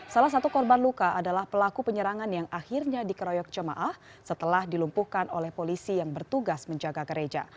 salah satu korban luka adalah pelaku penyerangan yang akhirnya dikeroyok jemaah setelah dilumpuhkan oleh polisi yang bertugas menjaga gereja